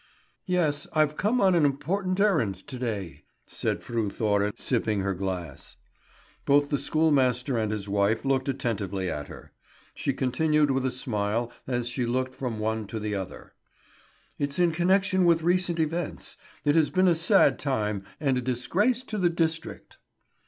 "Yes, I've come on an important errand to day," said Fru Thora, sipping her glass. Both the schoolmaster and his wife looked attentively at her. She continued with a smile as she looked from the one to the other: "It's in connection with recent events. It has been a sad time, and a disgrace to the district."